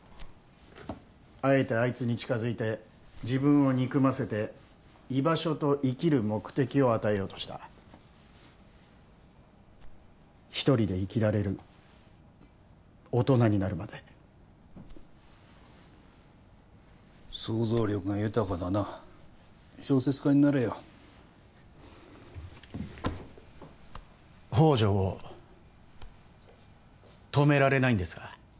あえてあいつに近づいて自分を憎ませて居場所と生きる目的を与えようとした一人で生きられる大人になるまで想像力が豊かだな小説家になれよ宝条を止められないんですか？